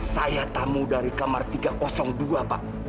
saya tamu dari kamar tiga ratus dua pak